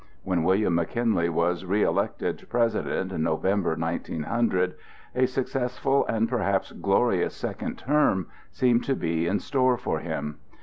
When William McKinley was reëlected President in November, 1900, a successful and perhaps glorious second term seemed to be in store for him.